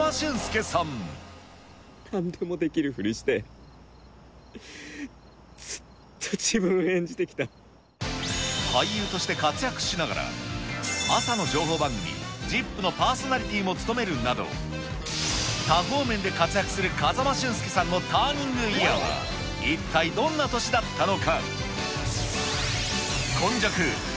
なんでもできるふりして、俳優として活躍しながら、朝の情報番組、ＺＩＰ！のパーソナリティーも務めるなど、多方面で活躍する風間俊介さんのターニングイヤーは、一体どんな年だったのか。